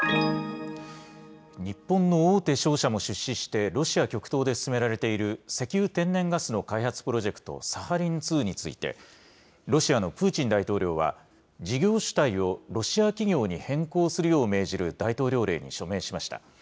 日本の大手商社も出資して、ロシア極東で進められている石油・天然ガスの開発プロジェクト、サハリン２について、ロシアのプーチン大統領は、事業主体をロシア企業に変更するよう命じる大統領令に署名しました。